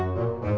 gak ada apa apa